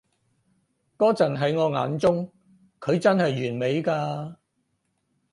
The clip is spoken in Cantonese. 嗰陣喺我眼中，佢真係完美㗎